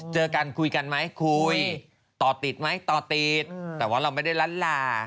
เจอกันคุยกันไหมคุยต่อติดไหมต่อติดแต่ว่าเราไม่ได้ลั้นลา